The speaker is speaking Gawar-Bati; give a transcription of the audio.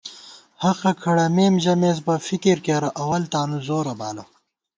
حقہ کھڑَمېم ژَمېس بہ فکر کېرہ اول تانُو زورہ بالہ